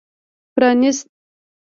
پرانېست.